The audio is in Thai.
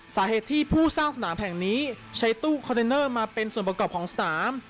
สาเหตุที่ผู้สร้างสนามแห่งนี้ใช้ตู้คอนเทนเนอร์มาเป็นส่วนประกอบของสนาม